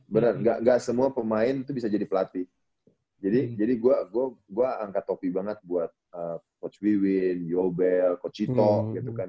bener gak semua pemain tuh bisa jadi pelatih jadi jadi gue gue angkat topi banget buat coach viwin yobelle coach cito gitu kan